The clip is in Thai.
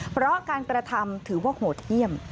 เพราะการกระทำถือว่าโหดเยี่ยม